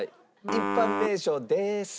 一般名称です。